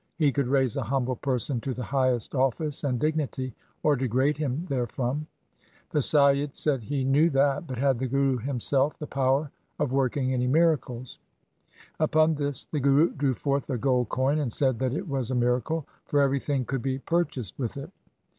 He could raise a humble person to the highest office and dignity, or degrade him therefrom. The Saiyid said he knew that, but had the Guru himself the power of working any miracles ? Upon this the Guru drew forth a gold coin and said that it was a miracle, for everything could be purchased with it.